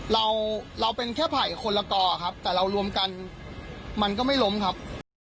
เราเราเป็นแค่ไผ่คนละกอครับแต่เรารวมกันมันก็ไม่ล้มครับ